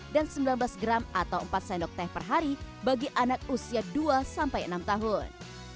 dan sembilan belas gram atau empat sendok teh per hari bagi anak usia dua enam tahun